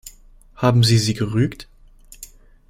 Haben Sie sie gerügt?